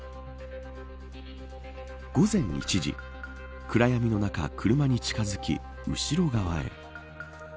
午前１時暗闇の中、車に近づき後ろ側へ。